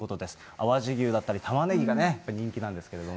淡路牛だったりタマネギが人気なんですけれども。